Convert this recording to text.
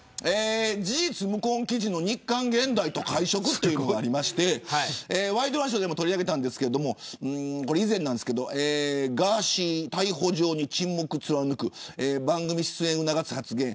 事実無根記事の日刊ゲンダイと会食ということがあってワイドナショーでも取り上げたんですが以前、ガーシー逮捕状に沈黙貫く番組出演促す発言